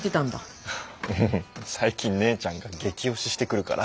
最近姉ちゃんが激推ししてくるから。